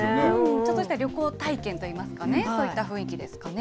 ちょっとした旅行体験といいますかね、そういった雰囲気ですかね。